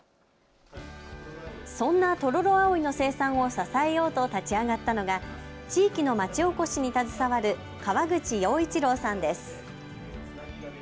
そんなトロロアオイの生産を支えようと立ち上がったのが地域の町おこしに携わる川口洋一郎さんです。